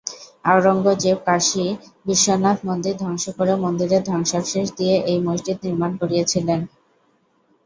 আওরঙ্গজেব কাশী বিশ্বনাথ মন্দির ধ্বংস করে মন্দিরের ধ্বংসাবশেষ দিয়ে এই মসজিদ নির্মাণ করিয়েছিলেন।